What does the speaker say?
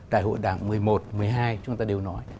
đại hội đảng một mươi một một mươi hai chúng ta đều nói